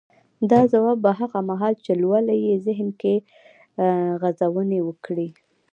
دا ځواب به هغه مهال چې لولئ يې ذهن کې غځونې وکړي.